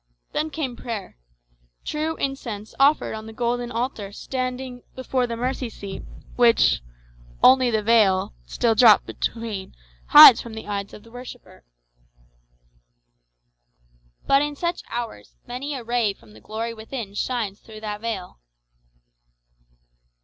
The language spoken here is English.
Then came prayer true incense offered on the golden altar standing "before the mercy seat," which only "the veil," still dropped between, hides from the eyes of the worshippers.[#] But in such hours many a ray from the glory within shines through that veil.